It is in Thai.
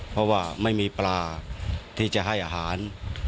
เพราะว่าไม่มีปลาที่จะให้อาหาร